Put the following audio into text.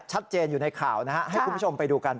ชัดเจนอยู่ในข่าวนะฮะให้คุณผู้ชมไปดูกัน